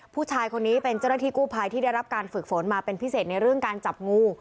ผู้ชายคนนี้เป็นเจ้าหน้าที่กู้ภัยที่ได้รับการฝึกฝนมาเป็นพิเศษในเรื่องการจับงู